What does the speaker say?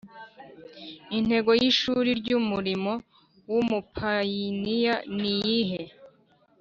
Intego y Ishuri ry Umurimo w Ubupayiniya ni iyihe